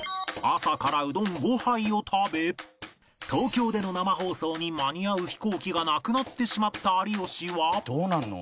朝からうどん５杯を食べ東京での生放送に間に合う飛行機がなくなってしまった有吉は